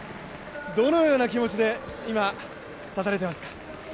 どのような気持ちで今立たれていますか？